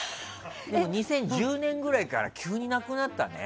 でも２０１０年ぐらいから急になくなったね。